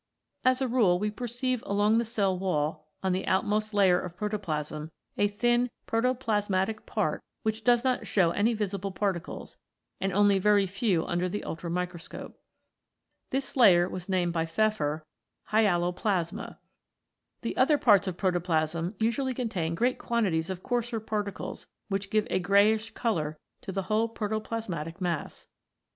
As a rule we perceive along the cell wall on the outmost layer of protoplasm a thin protoplasmatic part which does not show any visible particles, and only very few under the ultramicroscope. This layer was named by Pfeffer Hyaloplasma. The other parts of protoplasm usually contain great quantities of coarser particles which give a greyish colour to the whole protoplasmatic mass.